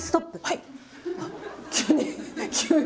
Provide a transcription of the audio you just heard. はい。